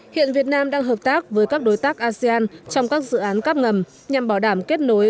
hiện việt nam đang hợp tác với các đối tác asean trong các dự án cắp ngầm nhằm bảo đảm kết nối